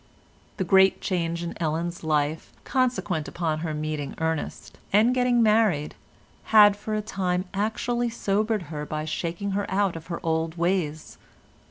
The great change in Ellen's life consequent upon her meeting Ernest and getting married had for a time actually sobered her by shaking her out of her old ways.